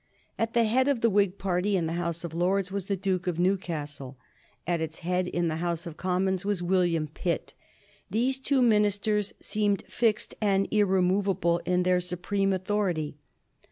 At the head of the Whig party in the House of Lords was the Duke of Newcastle. At its head in the House of Commons was William Pitt. These two ministers seemed fixed and irremovable in their supreme authority.